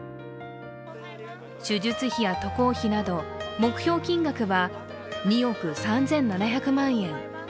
手術費や渡航費など目標金額は２億３７００万円。